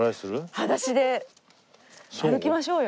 裸足で歩きましょうよ。